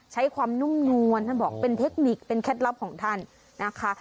ใช้ความนุ่มนวลท่านบอกเป็นเทคนิคเป็นเคล็ดลับของท่านนะคะ